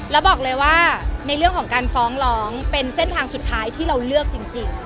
แล้วบอกเลยว่าในเรื่องของการฟ้องร้องเป็นเส้นทางสุดท้ายที่เราเลือกจริง